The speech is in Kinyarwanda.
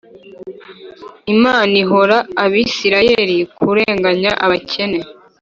Imana ihora Abisirayeli kurenganya abakene